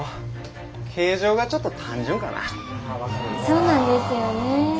そうなんですよね。